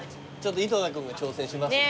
井戸田君が挑戦しますんで。